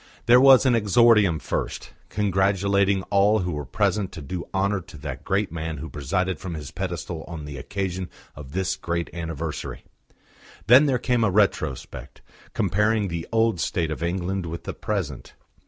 There was an exordium first, congratulating all who were present to do honour to the great man who presided from his pedestal on the occasion of this great anniversary. Then there came a retrospect, comparing the old state of England with the present.